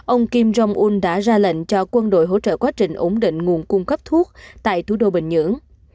ông kim jong un đã ra lệnh cho quân đội hỗ trợ quá trình ổn định nguồn cung cấp thuốc tại thủ đô bình nhưỡng